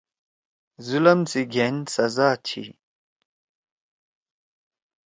ظلم سی گھین سزا چھی